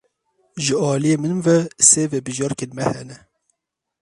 Ji aliyê min ve sê vebijarkên me hene.